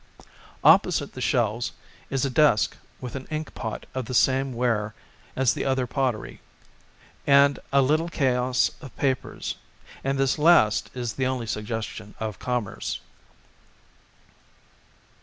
Opposite the shelves is a desk with an inkpot of the same ware as the other pottery, and a little chaos of papers â€" and this last is the only suggestion of commerce.